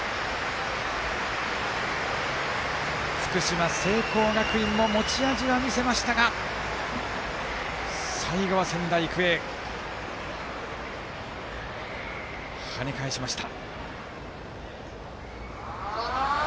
福島・聖光学院も持ち味は見せましたが最後は仙台育英が跳ね返しました。